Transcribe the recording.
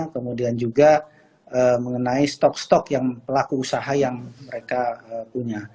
kemudian juga mengenai stok stok yang pelaku usaha yang mereka punya